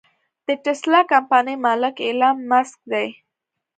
د ټسلا کمپنۍ مالک ايلام مسک دې.